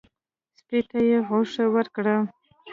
سپي ته یې غوښه ورکړه.